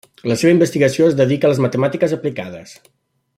La seva investigació es dedica a les matemàtiques aplicades.